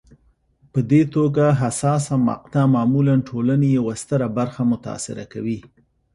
په دې توګه حساسه مقطعه معمولا ټولنې یوه ستره برخه متاثره کوي.